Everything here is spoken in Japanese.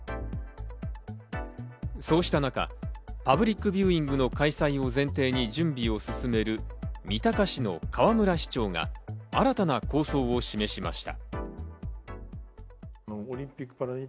そうした中、パブリックビューイングの開催を前提に準備を進める三鷹市の河村市長が新たな構想を示しました。